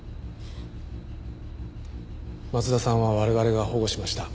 松田さんは我々が保護しました。